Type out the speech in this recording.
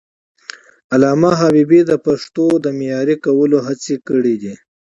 علامه حبيبي د پښتو د معیاري کولو هڅه کړې ده.